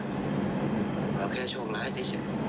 เราแค่ชงร้ายได้เฉย